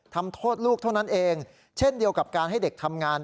ทำโทษลูกเท่านั้นเองเช่นเดียวกับการให้เด็กทำงาน